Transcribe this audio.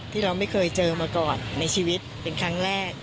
ที่เราไม่เคยเจอมาก่อนในชีวิตเป็นครั้งแรก